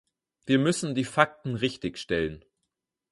Wir müssen die Fakten richtig stellen.